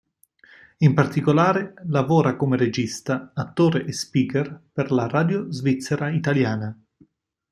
In particolare, lavora come regista, attore e speaker per la Radio Svizzera Italiana.